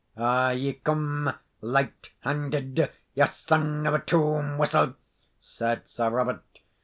"Are ye come light handed, ye son of a toom whistle?" said Sir Robert.